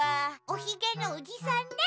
おひげのおじさんね。